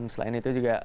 selain itu juga